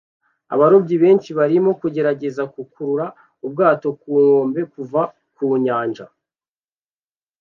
Abarobyi benshi barimo kugerageza gukurura ubwato ku nkombe kuva ku nyanja